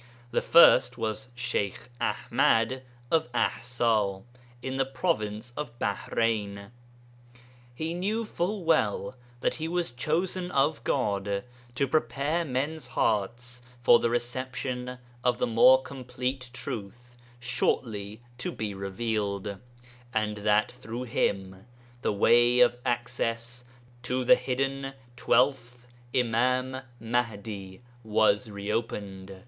The first was Sheykh Aḥmad of Aḥsa, in the province of Baḥrein. He knew full well that he was chosen of God to prepare men's hearts for the reception of the more complete truth shortly to be revealed, and that through him the way of access to the hidden twelfth Imām Mahdi was reopened.